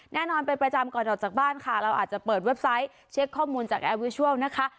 แน่นอนเป็นประจำก่อนออกจากบ้านค่ะเราอาจจะเปิดเว็บไซต์เช็คข้อมูลจากแอร์วิชัลนะคะ